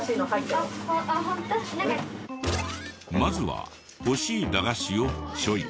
まずは欲しい駄菓子をチョイス。